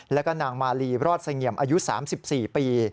แล้วก็นางมาลีรอดเสงี่ยมอายุ๓๔ปี